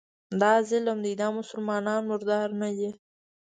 دا ظلم دی، دا مسلمانان مردار نه دي